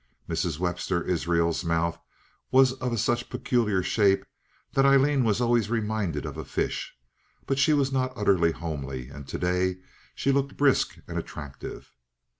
Mrs. Webster Israels's mouth was of such a peculiar shape that Aileen was always reminded of a fish; but she was not utterly homely, and to day she looked brisk and attractive.